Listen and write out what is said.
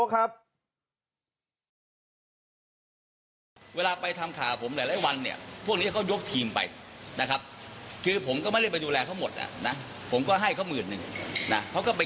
กับแข่งคุณผู้ชมครับ